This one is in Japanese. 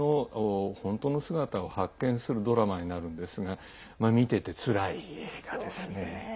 そこが自分の本当の姿を発見するドラマになるんですが見ててつらい映画ですね。